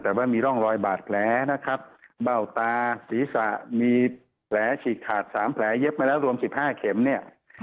แต่ว่ามีร่องรอยบาดแผลนะครับเบ้าตาศีรษะมีแผลฉีกขาด๓แผลเย็บมาแล้วรวม๑๕เข็มเนี่ย